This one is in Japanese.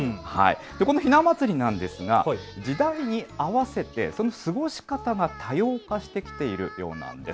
このひな祭りですが時代に合わせてその過ごし方が多様化してきているようです。